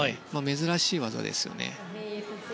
珍しい技ですよね。